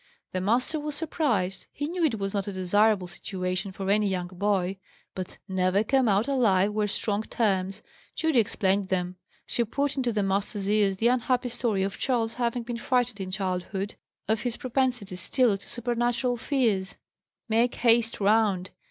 The master was surprised. He knew it was not a desirable situation for any young boy; but "never come out alive" were strong terms. Judy explained them. She poured into the master's ears the unhappy story of Charles having been frightened in childhood; of his propensity still to supernatural fears. "Make haste round!